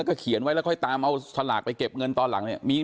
ก็เขียนไว้แล้วค่อยตามเอาสลากไปเก็บเงินตอนหลังเนี่ย